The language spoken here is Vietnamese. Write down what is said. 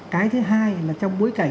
cái thứ hai là trong bối cảnh